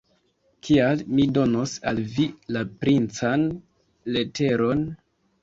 Kial mi donos al vi la princan leteron?